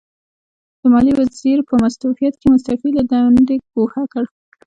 د ماليې وزیر په مستوفیت کې مستوفي له دندې ګوښه کړ.